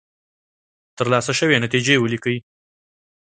ترلاسه شوې نتیجې ولیکئ.